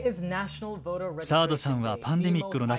サードさんはパンデミックの中